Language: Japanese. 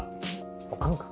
オカンか。